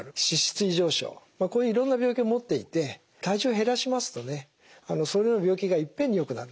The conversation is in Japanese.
こういういろんな病気を持っていて体重を減らしますとねそれらの病気がいっぺんに良くなる。